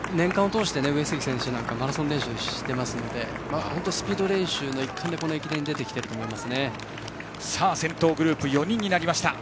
年間を通して、上杉選手なんかはマラソンの練習もしているのでスピード練習の一環でこの駅伝に出てきていると思います。